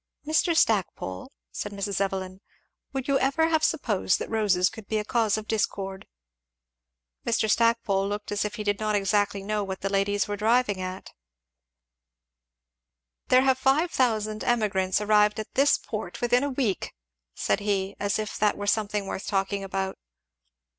"Mr. Stackpole," said Mrs. Evelyn, "would you ever have supposed that roses could be a cause of discord?" Mr. Stackpole looked as if he did not exactly know what the ladies were driving at. "There have five thousand emigrants arrived at this port within a week!" said he, as if that were something worth talking about.